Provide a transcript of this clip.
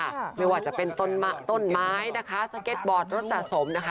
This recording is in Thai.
ไม่ว่าจะเป็นต้นไม้นะคะสเก็ตบอร์ดรถสะสมนะคะ